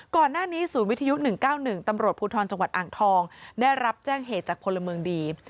ก่อนหน้านี้ศูนย์วิทยุ๑๙๑ตำรวจภูทรจังหวัดอ่างทองได้รับแจ้งเหตุจากพลเมืองดี